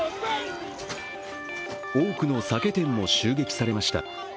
多くの酒店も襲撃されました。